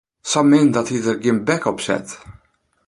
Sa min dat dy der gjin bek op set.